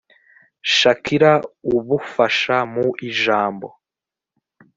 shakira ubufasha mu ijambo